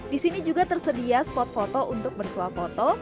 disini juga tersedia spot foto untuk bersuap foto